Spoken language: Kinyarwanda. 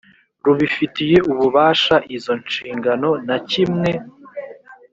rubifitiye ububasha izo nshingano na kimwe